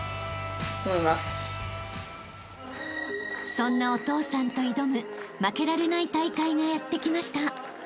［そんなお父さんと挑む負けられない大会がやって来ました］